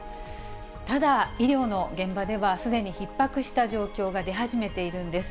ただ、医療の現場では、すでにひっ迫した状況が出始めているんです。